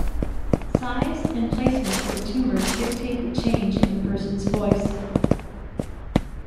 Size and placement of the tumors dictate the change in the person's voice.